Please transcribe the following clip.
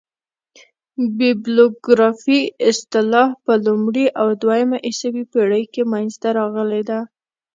بیبلوګرافي اصطلاح په لومړۍ او دوهمه عیسوي پېړۍ کښي منځ ته راغلې ده.